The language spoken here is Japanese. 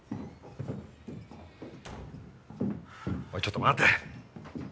おいちょっと待て。